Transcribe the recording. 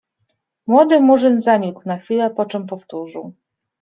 Młody Murzyn zamilkł na chwilę, po czym powtórzył.